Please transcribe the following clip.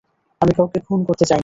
আমি কাউকে খুন করতে চাইনি।